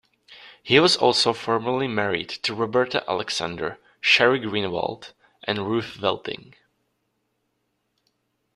He was also formerly married to Roberta Alexander, Sheri Greenawald and Ruth Welting.